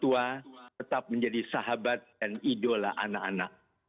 tua tetap menjadi sahabat dan idola anak anak